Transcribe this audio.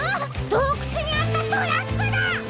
どうくつにあったトラックだ！